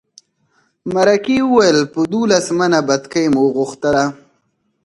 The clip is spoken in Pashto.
مرکې وویل په دولس منه بتکۍ مو وغوښتله.